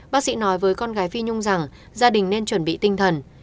bác sĩ nói với con gái phi nhung rằng gia đình nên chuẩn bị tinh thần